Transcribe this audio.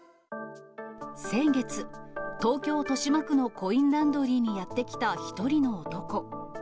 先月、東京・豊島区のコインランドリーにやって来た一人の男。